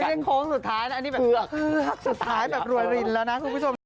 โค้งสุดท้ายนะอันนี้แบบเผือกสุดท้ายแบบรวยรินแล้วนะคุณผู้ชม